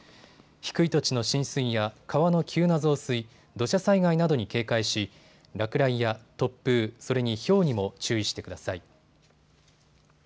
低い土地の浸水や川の急な増水、土砂災害などに警戒し落雷や突風、それにひょうにも注意してください。